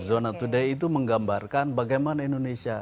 zona today itu menggambarkan bagaimana indonesia